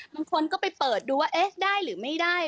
บางคนก็ไปเปิดดูว่าเอ๊ะได้หรือไม่ได้